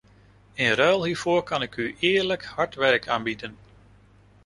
In ruil hiervoor kan ik u eerlijk, hard werk aanbieden.